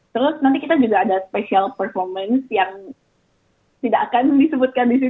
terus nanti kita juga ada special performance yang tidak akan disebutkan